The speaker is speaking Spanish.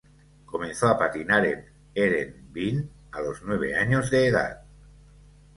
Comenzó a patinar en Heerenveen a los nueve años de edad.